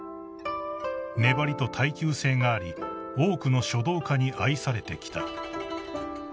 ［粘りと耐久性があり多くの書道家に愛されてきた］